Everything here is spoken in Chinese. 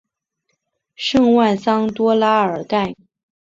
圣万桑多拉尔盖。